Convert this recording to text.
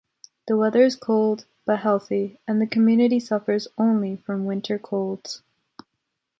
The weather is cold, but healthy, and the community suffers only from winter colds.